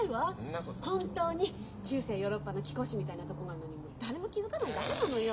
本当に中世ヨーロッパの貴公子みたいなとこがあるのに誰も気付かないだけなのよ。